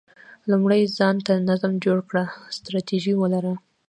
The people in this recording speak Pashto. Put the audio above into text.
لومړی ځان ته نظم جوړ کړه، ستراتیژي ولره،